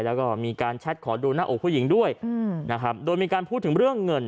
แล้วก็มีการแชทขอดูหน้าอกผู้หญิงด้วยนะครับโดยมีการพูดถึงเรื่องเงิน